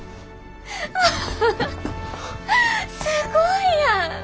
すごいやん！